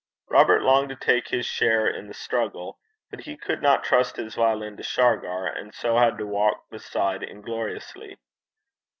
Robert longed to take his share in the struggle, but he could not trust his violin to Shargar, and so had to walk beside ingloriously.